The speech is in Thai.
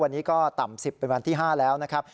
วันนี้ก็ต่ำ๑๐เป็นวันที่๕แล้วนะครับ